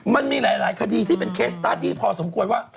มันมีหลายคดีที่เป็นเคสตาร์ทที่พอสมควรว่า